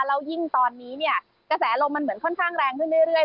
แล้วยิ่งตอนนี้เนี่ยกระแสลมมันเหมือนค่อนข้างแรงขึ้นเรื่อย